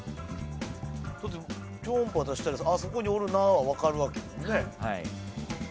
超音波出したらそこにおるなは分かるわけやもんね。